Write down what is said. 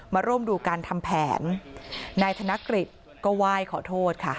มาร่วมดูการทำแผนนายธนกฤษก็ไหว้ขอโทษค่ะ